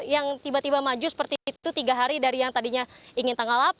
yang tiba tiba maju seperti itu tiga hari dari yang tadinya ingin tanggal delapan